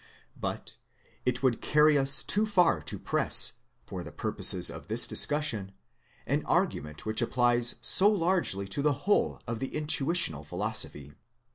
But it would carry us too far to press, for the purposes of this discussion, an argu ment which applies so largely to the whole of the intuitional philosophy.